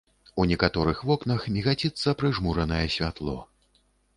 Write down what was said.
У некаторых вокнах мігаціцца прыжмуранае святло.